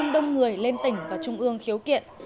đông người lên tỉnh và trung ương khiếu kiện